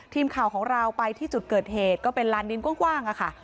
ทีมข่าวของเราไปที่จุดเกิดเหตุก็เป็นลานดินกว้างค่ะ